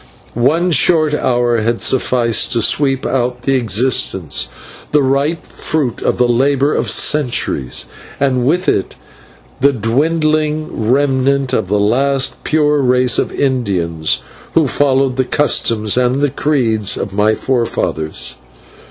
One short hour had sufficed to sweep out of existence the ripe fruit of the labour of centuries, and with it the dwindling remnant of the last pure race of Indians, who followed the customs and the creeds of my forefathers.